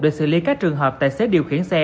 để xử lý các trường hợp tài xế điều khiển xe